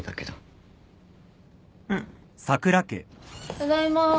ただいま。